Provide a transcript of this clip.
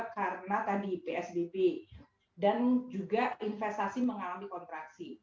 karena tadi psdp dan juga investasi mengalami kontraksi